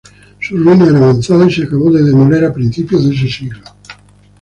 Su ruina era avanzada y se acabó de demoler a principios de ese siglo.